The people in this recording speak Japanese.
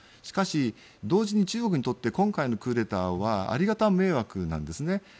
しかし、同時に中国にとって今回のクーデターはありがた迷惑なんですね。